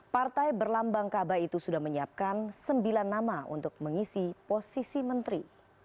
partai berlambang kabah itu sudah menyiapkan sembilan nama untuk mengisi posisi menteri